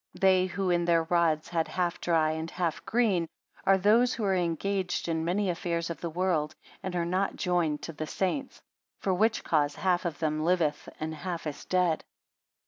65 They who in their rods had half dry and half green, are those who are engaged in many affairs of the world, and are not joined to the saints. For which cause half of them liveth, and half is dead.